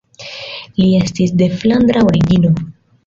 Li estis de flandra origino.